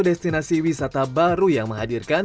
destinasi wisata baru yang menghadirkan